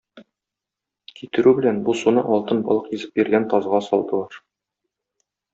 Китерү белән, бу суны алтын балык йөзеп йөргән тазга салдылар.